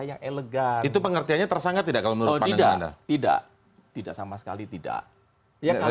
yang elegan itu pengertiannya tersangka tidak kalau tidak tidak tidak sama sekali tidak ya kalau